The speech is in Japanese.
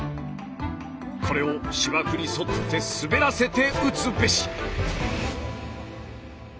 これを芝生に沿って滑らせて打つべし！